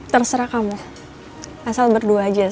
terserah kamu asal berdua aja sama kamu